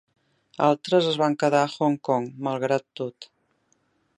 Altres es van quedar a Hong Kong, malgrat tot.